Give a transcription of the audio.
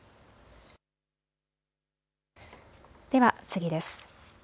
では次です。